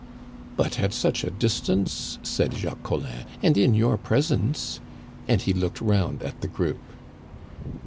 "But at such a distance!" said Jacques Collin, "and in your presence " and he looked round at the group.